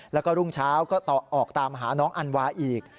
แล้วก็รุ่งเช้าก็ออกตามหาน้องอันวาอีก